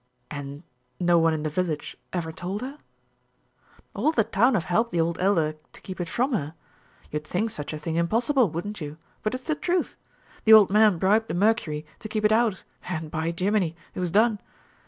"And no one in the village ever told her?" "All the town have helped the old Elder to keep it from her. You'd think such a thing impossible, wouldn't you? But it's the truth. The old man bribed the Mercury to keep it out, and, by jiminy, it was done!